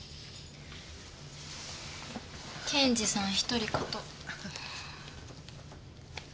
検事さん１人かと。